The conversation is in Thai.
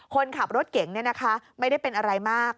คนขับรถเก่งเนี่ยนะคะไม่ได้เป็นอะไรมาก